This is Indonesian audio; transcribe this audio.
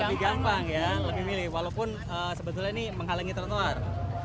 lebih gampang ya lebih milih walaupun sebetulnya ini menghalangi trotoar